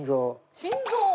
心臓？